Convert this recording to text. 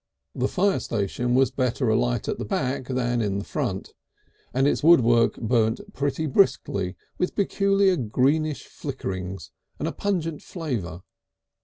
The fire station was better alight at the back than in front, and its woodwork burnt pretty briskly with peculiar greenish flickerings, and a pungent flavour.